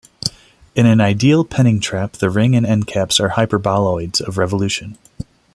In an ideal Penning trap the ring and endcaps are hyperboloids of revolution.